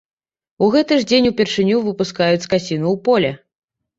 У гэты ж дзень упершыню выпускаюць скаціну ў поле.